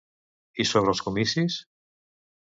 I sobre els comicis?